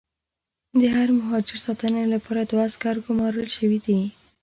د هر مهاجر ساتنې لپاره دوه عسکر ګومارل شوي دي.